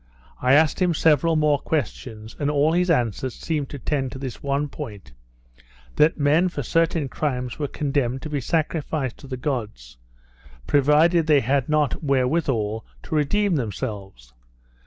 I asked him several more questions, and all his answers seemed to tend to this one point, that men for certain crimes were condemned to be sacrificed to the gods, provided they had not wherewithal to redeem themselves.